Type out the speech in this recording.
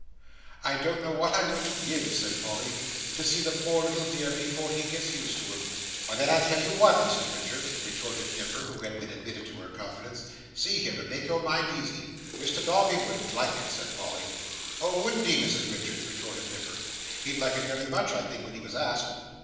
"I don't know what I wouldn't give," said Polly, "to see the poor little dear before he gets used to 'em." "Why, then, I tell you what, Mrs Richards," retorted Nipper, who had been admitted to her confidence, "see him and make your mind easy." "Mr Dombey wouldn't like it," said Polly. "Oh, wouldn't he, Mrs Richards!" retorted Nipper, "he'd like it very much, I think when he was asked."